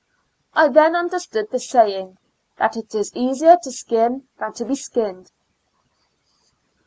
I then under stood the saying, " that it is easier to skin than to be skinned.